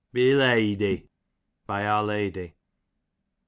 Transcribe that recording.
Beleady, by our lady.